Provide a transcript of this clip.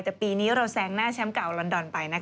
แต่ปีนี้เราแซงหน้าแชมป์เก่าลอนดอนไป